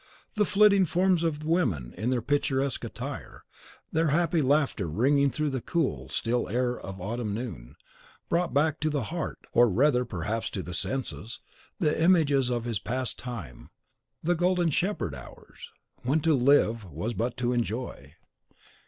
The flitting forms of the women in their picturesque attire, their happy laughter ringing through the cool, still air of the autumn noon, brought back to the heart, or rather perhaps to the senses, the images of his past time, the "golden shepherd hours," when to live was but to enjoy.